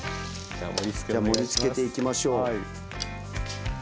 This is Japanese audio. じゃあ盛りつけていきましょう。